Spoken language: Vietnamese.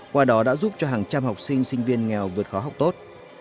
qua đó đã giúp cho hàng trăm học sinh sinh viên nghèo vượt khó học tốt